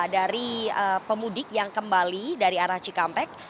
dari pemudik yang kembali dari arah cikampek